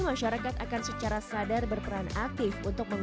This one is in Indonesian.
masyarakat akan secara sadar berperan aktif untuk mengembangkan